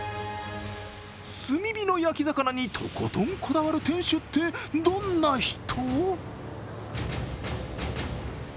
炭火の焼き魚にとことんこだわる店主って、どんな人？